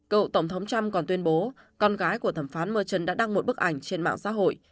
cựu tổng thống trump còn tuyên bố con gái của thẩm phán murchon đã đăng một bức ảnh trên mạng xã hội